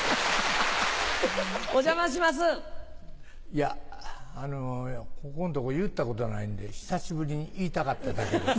いやあのここんとこ言ったことないんで久しぶりに言いたかっただけです。